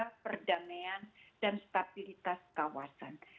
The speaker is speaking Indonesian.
menjaga perdamaian dan stabilitas kawasan